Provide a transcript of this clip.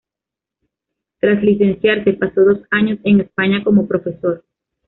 Tras licenciarse, pasó dos años en España como profesor.